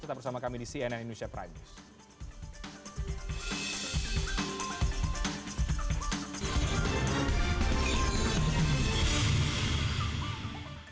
tetap bersama kami di cnn indonesia prime news